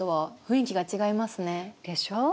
でしょう？